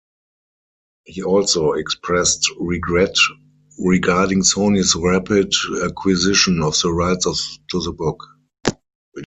He also expressed regret regarding Sony's rapid acquisition of the rights to the book.